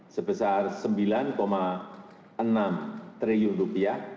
sebesar rp sembilan enam triliun